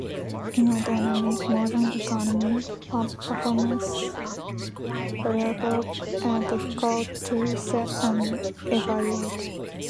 In a dynamic modern economy, performance variables are difficult to set and evaluate.